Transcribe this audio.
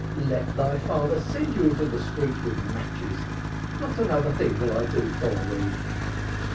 Let thy father send you into the streets, with matches, not another thing will I do for thee."